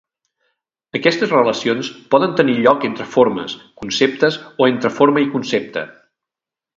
Aquestes relacions poden tenir lloc entre formes, conceptes o entre forma i concepte.